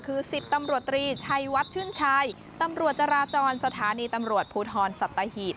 คือ๑๐ตำรวจตรีชัยวัดชื่นชัยตำรวจจราจรสถานีตำรวจภูทรสัตหีบ